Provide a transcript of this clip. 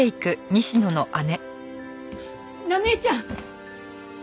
奈美絵ちゃん！